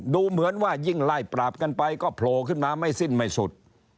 ดูเหมือนว่ายิ่งไล่ปราบกันไปก็โผล่ขึ้นมาไม่สิ้นไม่สุด